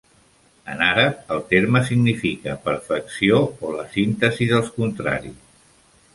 En àrab, el terme significa "perfecció" o "la síntesi dels contraris".